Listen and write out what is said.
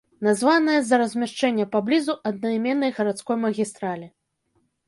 Названая з-за размяшчэння паблізу аднайменнай гарадской магістралі.